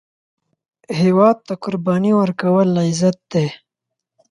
هیواد ته قرباني ورکول، عزت دی